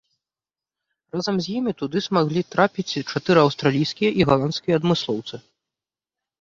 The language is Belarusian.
Разам з імі туды змаглі трапіць чатыры аўстралійскія і галандскія адмыслоўцы.